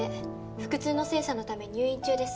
腹痛の精査のため入院中です。